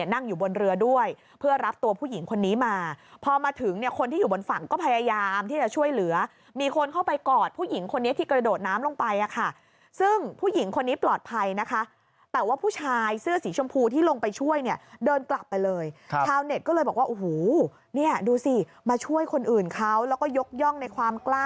นั่งอยู่บนเรือด้วยเพื่อรับตัวผู้หญิงคนนี้มาพอมาถึงเนี่ยคนที่อยู่บนฝั่งก็พยายามที่จะช่วยเหลือมีคนเข้าไปกอดผู้หญิงคนนี้ที่กระโดดน้ำลงไปอ่ะค่ะซึ่งผู้หญิงคนนี้ปลอดภัยนะคะแต่ว่าผู้ชายเสื้อสีชมพูที่ลงไปช่วยเนี่ยเดินกลับไปเลยชาวเน็ตก็เลยบอกว่าโอ้โหเนี่ยดูสิมาช่วยคนอื่นเขาแล้วก็ยกย่องในความกล้า